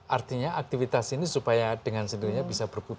artinya aktivitas ini supaya dengan sendirinya bisa berputar